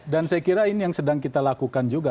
dan saya kira ini yang sedang kita lakukan juga